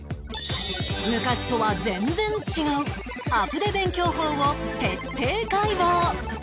昔とは全然違うアプデ勉強法を徹底解剖！